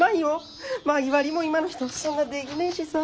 薪割りも今の人そんなでぎねえしさあ。